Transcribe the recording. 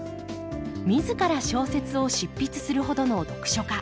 自ら小説を執筆するほどの読書家